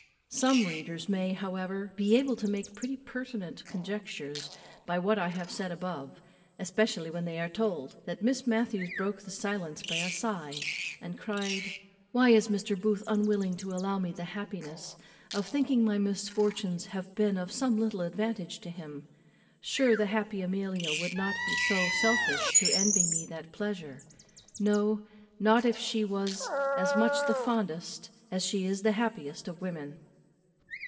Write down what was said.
Some readers may, however, be able to make pretty pertinent conjectures by what I have said above, especially when they are told that Miss Matthews broke the silence by a sigh, and cried, "Why is Mr. Booth unwilling to allow me the happiness of thinking my misfortunes have been of some little advantage to him? sure the happy Amelia would not be so selfish to envy me that pleasure. No; not if she was as much the fondest as she is the happiest of women."